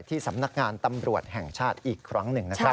สำนักงานตำรวจแห่งชาติอีกครั้งหนึ่งนะครับ